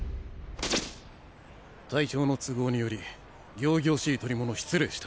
体調の都合により仰々しい捕り物失礼した。